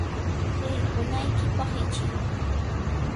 ¡Rirqunaykipaq ichiy!